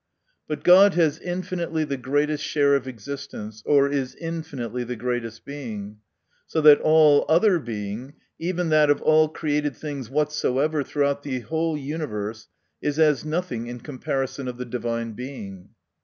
But God has infinitely the greatest share of existence, or is infinitely the greatest Being. So that all other Being, even that of all created things what soe\ er, throughout the whole universe, is as nothing in comparison of the Divine Being.